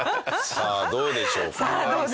さあどうでしょうか？